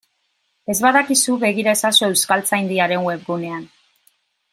Ez badakizu, begira ezazu Euskaltzaindiaren webgunean.